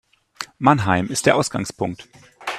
Mannheim ist der Ausgangpunkt